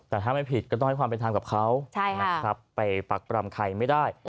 แต่ถ้าไม่ผิดก็ต้องให้ความเป็นทางกับเขาใช่ค่ะไปปรับปร่ำไข่ไม่ได้